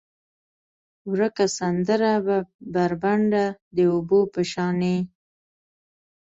ورکه سندره به، بربنډه د اوبو په شانې،